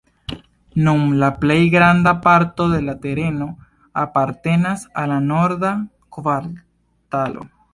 Nun la plej granda parto de la tereno apartenas al la Norda Kvartalo.